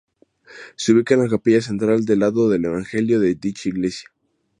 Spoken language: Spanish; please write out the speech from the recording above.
Se ubica en la capilla central del lado del Evangelio de dicha iglesia.